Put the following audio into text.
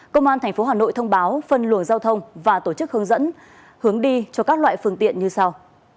công an tp hà nội thông báo phân luồng giao thông và tổ chức hướng dẫn hướng đi cho các loại phương tiện như sau